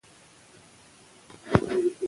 د علمي فورمونو جوړول، د نوښت محدودیت له منځه وړي.